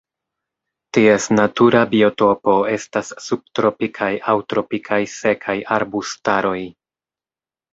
Ties natura biotopo estas subtropikaj aŭ tropikaj sekaj arbustaroj.